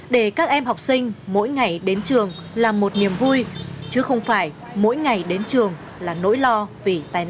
để các em học sinh mỗi ngày đến trường là một niềm vui chứ không phải mỗi ngày đến trường là nỗi lo vì tai nạn